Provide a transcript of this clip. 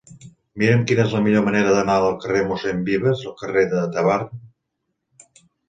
Mira'm quina és la millor manera d'anar del carrer de Mossèn Vives al carrer de Tavern.